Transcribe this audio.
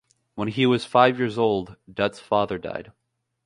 When he was five years old, Dutt's father died.